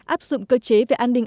áp dụng cơ chế về an ninh